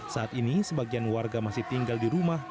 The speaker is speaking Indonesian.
saat ini sebagian warga masih tinggal di rumah